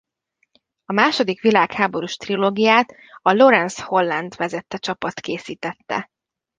A második világháborús trilógiát a Lawrence Holland vezette csapat készítette.